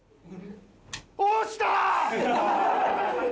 押したー！